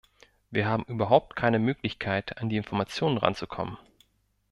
Wir haben überhaupt keine Möglichkeit, an die Informationen ranzukommen!